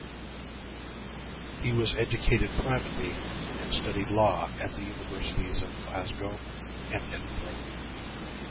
He was educated privately and studied law at the universities of Glasgow and Edinburgh.